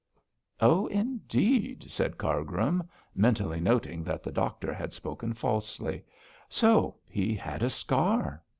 'Oh, indeed!' said Cargrim, mentally noting that the doctor had spoken falsely. 'So he had a scar?'